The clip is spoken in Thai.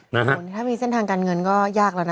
ถ้ามีเส้นทางการเงินก็ยากแล้วนะ